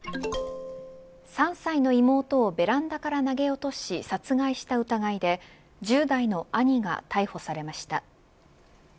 ３歳の妹をベランダから投げ落とし殺害した疑いで１０代の兄が逮捕されました。